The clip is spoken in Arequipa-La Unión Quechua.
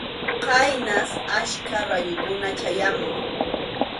Khaynas achka rayukuna chayamun.